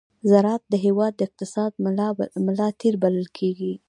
زراعت د هېواد د اقتصاد ملا تېر بلل کېږي.